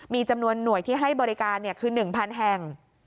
มีจำนวนหน่วยที่ให้บริการคือ๑๐๐แห่ง